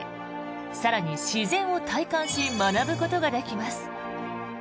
更に、自然を体感し学ぶことができます。